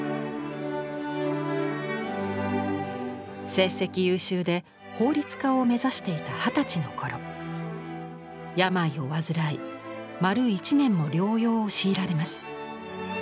成績優秀で法律家を目指していた二十歳の頃病を患い丸１年も療養を強いられます。